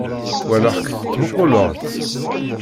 Walaɣ-k tettmuquleḍ-tt.